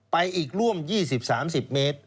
ไปอีกร่วม๒๐๓๐เมตร